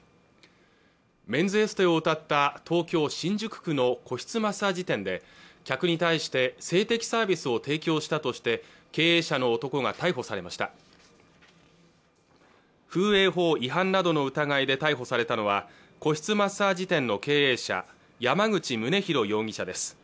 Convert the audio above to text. メンズエステをうたった東京・新宿区の個室マッサージ店で客に対して性的サービスを提供したとして経営者の男が逮捕されました風営法違反などの疑いで逮捕されたのは個室マッサージ店の経営者山口宗紘容疑者です